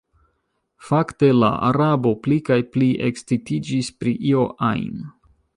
Fakte la Arabo pli kaj pli ekscitiĝis pri io ajn.